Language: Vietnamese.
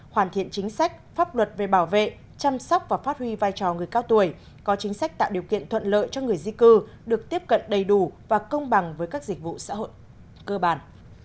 hoàn thiện chính sách pháp luật về bảo vệ chăm sóc và phát huy vai trò người cao tuổi có chính sách tạo điều kiện thuận lợi cho người di cư được tiếp cận đầy đủ và công bằng với các dịch vụ xã hội cơ bản